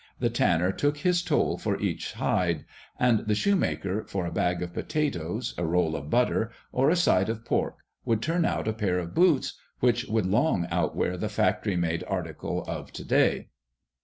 The tanner took his toll for each hide; and the shoemaker, for a bag of potatoes, a roll of butter, or a side of pork, would turn out a pair of boots, which would long outwear the factory made article of to day.